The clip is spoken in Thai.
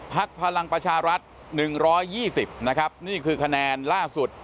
พลังประชารัฐ๑๒๐นะครับนี่คือคะแนนล่าสุด